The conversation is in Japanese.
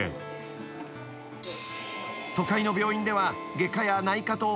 ［都会の病院では外科や内科と］